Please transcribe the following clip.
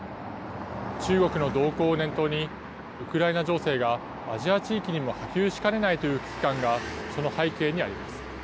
中国の動向を念頭に、ウクライナ情勢がアジア地域にも波及しかねないという危機感が、その背景にあります。